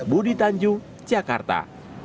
budi tanjung jakarta